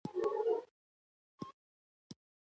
دا خلک د مکتب او مطالعې خوښوونکي وي.